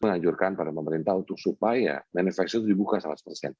mengajurkan pada pemerintah untuk supaya manufacturing dibuka seratus persen